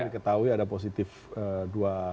ketahui ada positif dua